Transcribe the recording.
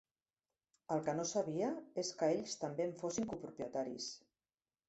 El que no sabia és que ells també en fossin copropietaris.